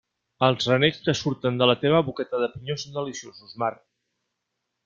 Els renecs que surten de la teva boqueta de pinyó són deliciosos, Marc.